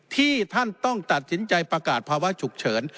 ที่ท่านต้องตัดสินใจประกาศภาวะฉุกเฉิน